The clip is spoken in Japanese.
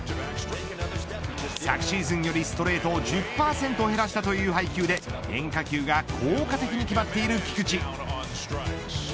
昨シーズンよりストレートを１０％減らしたという配球で変化球が効果的に決まっている菊池。